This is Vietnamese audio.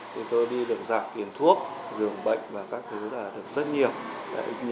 thì tôi đi được giảm tiền thuốc dường bệnh và các thứ là được rất nhiều